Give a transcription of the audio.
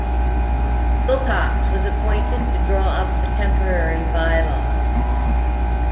Wilcox was appointed to draw up the temporary by-laws.